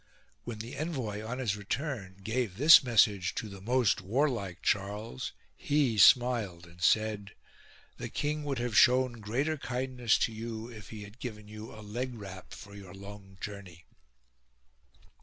When the envoy on his return gave this message to the most warlike Charles, he smiled and said :" The king would have shown greater kindness to you if he had given you a leg wrap for your long journey."